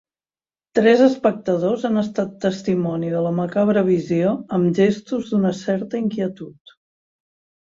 Tres espectadors han estat testimoni de la macabra visió, amb gestos d'una certa inquietud.